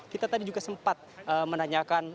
kita tadi juga sempat menanyakan